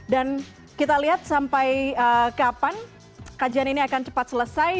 dan kita lihat sampai kapan kajian ini akan cepat selesai